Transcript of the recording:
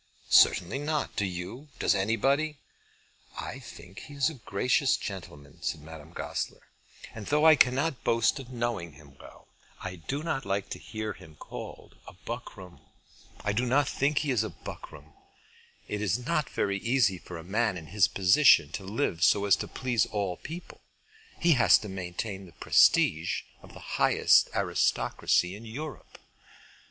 certainly not. Do you? Does anybody?" "I think he is a gracious gentleman," said Madame Goesler, "and though I cannot boast of knowing him well, I do not like to hear him called buckram. I do not think he is buckram. It is not very easy for a man in his position to live so as to please all people. He has to maintain the prestige of the highest aristocracy in Europe."